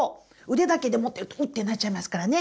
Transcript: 腕だけで持ってるとウッてなっちゃいますからね。